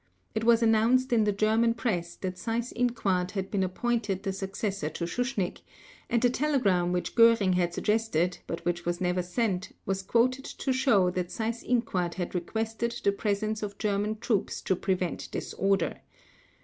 It was announced in the German press that Seyss Inquart had been appointed the successor to Schuschnigg, and the telegram which Göring had suggested, but which was never sent, was quoted to show that Seyss Inquart had requested the presence of German troops to prevent disorder.